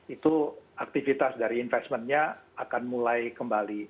itu aktivitas dari investmentnya akan mulai kembali